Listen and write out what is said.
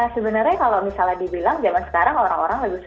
sebenarnya kalau misalnya dibilang zaman sekarang orang orang lebih suka